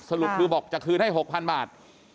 สรุปคือบอกจะคืนให้๖๐๐๐บาท